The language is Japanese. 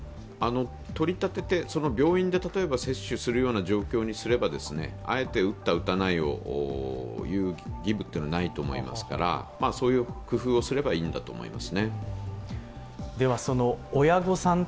取り立てて、病院で例えば接種するような状況にすれば、あえて打った、打たないを言う義務はないと思いますからそういう工夫をすればいいんだと思います。